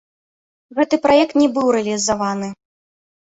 Гэты праект не быў рэалізаваны.